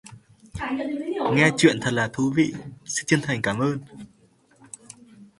Nghe truyện thật là thú vị xin chân thành cảm ơn